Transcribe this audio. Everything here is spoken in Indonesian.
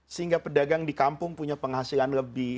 sehingga pedagang di kampung punya penghasilan lebih